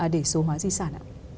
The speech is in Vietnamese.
để số hóa di sản ạ